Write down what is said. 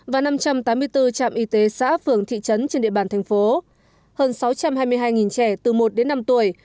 và năm trăm tám mươi bốn trạm y tế xã phường thị trấn trên địa bàn thành phố hơn sáu trăm hai mươi hai trẻ từ một đến năm tuổi